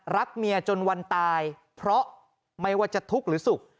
รักเมียจนวันตายเพราะไม่ว่าจะทุกข์หรือสุข